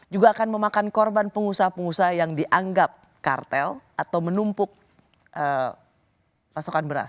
juga akan memakan korban pengusaha pengusaha yang dianggap kartel atau menumpuk pasokan beras